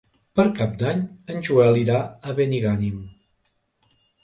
Per Cap d'Any en Joel irà a Benigànim.